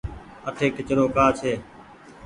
اٺي ڪچرو ڪآ ڇي ۔